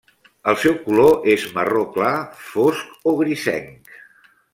El seu color és marró clar, fosc o grisenc.